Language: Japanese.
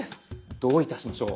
どういたしましょう？